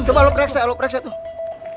coba lu pereksa lu pereksa tuh